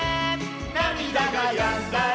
「なみだがやんだら」